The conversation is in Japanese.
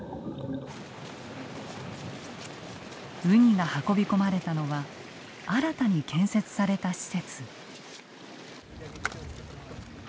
ウニが運び込まれたのは新たに建設された施設。